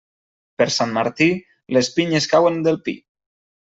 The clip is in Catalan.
Per Sant Martí, les pinyes cauen del pi.